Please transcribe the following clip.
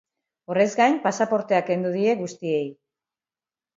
Horrez gain, pasaportea kendu die guztiei.